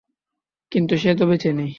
কিন্তু সে তো বেঁচে নেই!